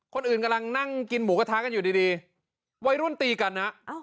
คนอื่นกำลังนั่งกินหมูกระทากันอยู่ดีไว้ร่วนตีกันนะ